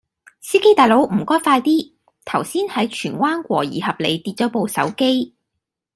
司機大佬唔該快啲，頭先喺荃灣和宜合里跌左部手機